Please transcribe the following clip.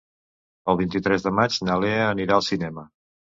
El vint-i-tres de maig na Lea anirà al cinema.